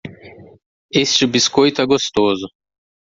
Este biscoito é gostoso.